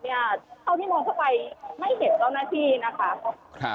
เท่าที่มองเข้าไปไม่เห็นเจ้าหน้าที่นะคะ